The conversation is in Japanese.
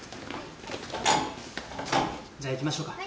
・じゃあ行きましょうか。